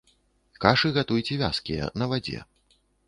Кашы гатуйце вязкія, на вадзе.